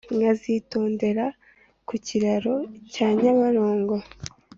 Nkazitondera ku kiraro cya nyabarongo